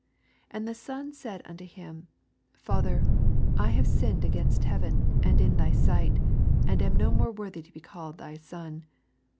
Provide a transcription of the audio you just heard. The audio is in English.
21 And the son said unto him, Father, I have sinned against heaven, and in thy sight, and am no more worthy to be called thy son.